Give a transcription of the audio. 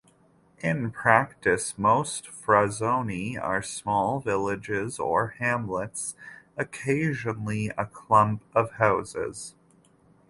In practice, most "frazioni" are small villages or hamlets, occasionally a clump of houses.